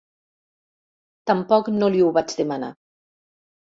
Tampoc no li ho vaig demanar.